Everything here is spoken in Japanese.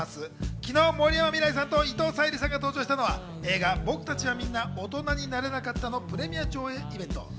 昨日、森山未來さんと伊藤沙莉さんが登場したのは映画『ボクたちはみんな大人になれなかった』のプレミア上映イベント。